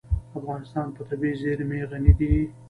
افغانستان په طبیعي زیرمې غني دی.